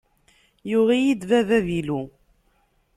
Yuɣ-iyi-d baba avilu.